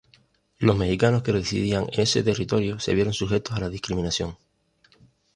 Los mexicanos que residían en ese territorio se vieron sujetos a la discriminación.